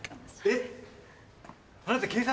えっ？